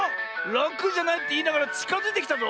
「ラクじゃない」っていいながらちかづいてきたぞ！